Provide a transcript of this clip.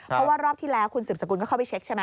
เพราะว่ารอบที่แล้วคุณสืบสกุลก็เข้าไปเช็คใช่ไหม